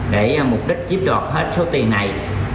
để mục đích chiếm đoạt hết số tiền này